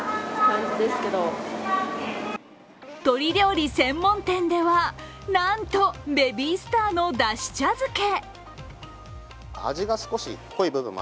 鳥料理専門店では、なんとベビースターのだし茶漬け。